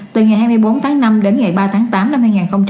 từ ngày hai mươi bốn tháng năm đến ngày ba tháng tám năm hai nghìn một mươi chín